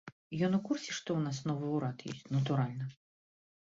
Ён у курсе, што ў нас новы ўрад ёсць, натуральна.